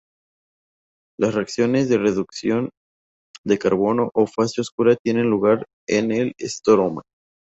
Las reacciones de reducción de carbono o fase oscura tienen lugar en el estroma.